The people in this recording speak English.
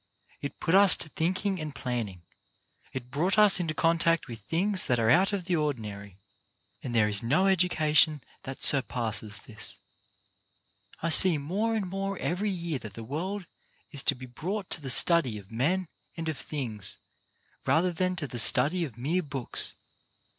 It put us to think ing and planning ; it brought us in to contact with things that are out of the ordinary ; and there is no education that surpasses this. I see more and more every year that the world is to be brought 98 CHARACTER BUILDING to the study of men and of things, rather than to the study of mere books.